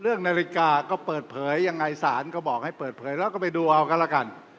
เรื่องนาฬิกาก็เปิดเผยยังไงสารก็บอกให้เปิดเผยแล้วก็ไปดูเอากันแล้วกัน